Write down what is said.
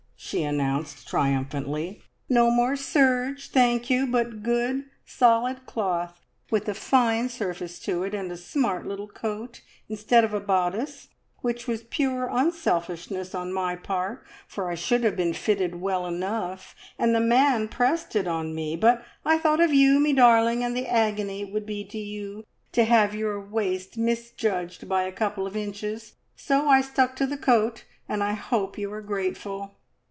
she announced triumphantly. "No more serge, thank you, but good, solid cloth with a fine surface to it, and a smart little coat instead of a bodice, which was pure unselfishness on my part, for I should have been fitted well enough, and the man pressed it on me, but I thought of you, me darling, and the agony it would be to you to have your waist misjudged by a couple of inches, so I stuck to the coat, and I hope you are grateful!"